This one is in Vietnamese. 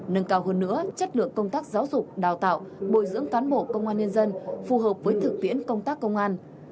nâng cao hơn nữa chất lượng công tác giáo dục đào tạo bồi dưỡng cán bộ công an nhân dân phù hợp với thực tiễn công tác công an